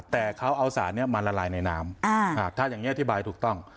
แต่เขาเอาสารนี้มาละลายในน้ำถ้าอย่างนี้อธิบายถูกต้อง